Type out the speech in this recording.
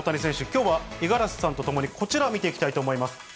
きょうは五十嵐さんと共に、こちら見ていきたいと思います。